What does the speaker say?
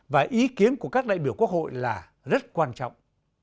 và ý kiến của các đại biểu quốc hội là rất quan trọng